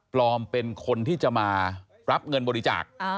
เป็นคนที่จะมารับเงินบริจาค